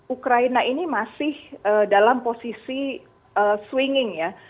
ukraina ini masih dalam posisi swinging ya